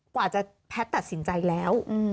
กว่าจะแพทย์ตัดสินใจแล้ว